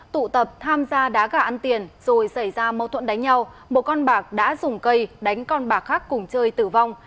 tụ tập tham gia đá gà ăn tiền rồi xảy ra mâu thuẫn đánh nhau một con bạc đã dùng cây đánh con bạc khác cùng chơi tử vong